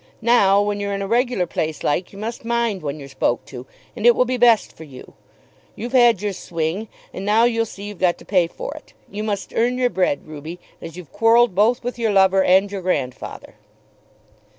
Now when you're in a regular place like, you must mind when you're spoke to, and it will be best for you. You've had your swing, and now you see you've got to pay for it. You must earn your bread, Ruby, as you've quarrelled both with your lover and with your grandfather."